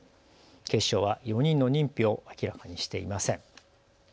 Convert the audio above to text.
警視庁は４人の認否を明らかにしていません。